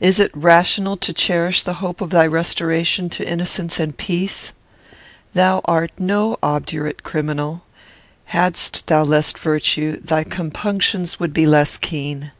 "Is it rational to cherish the hope of thy restoration to innocence and peace? Thou art no obdurate criminal; hadst thou less virtue, thy compunctions would be less keen.